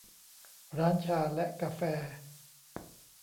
ร้านชาและกาแฟ